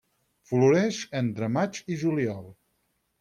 Floreix entre maig i juliol.